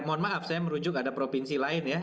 mohon maaf saya merujuk ada provinsi lain ya